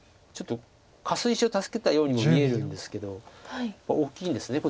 ちょっとカス石を助けたようにも見えるんですけど大きいんです